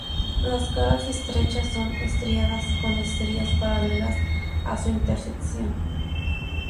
Las caras estrechas son estriadas con estrías paralelas a su intersección.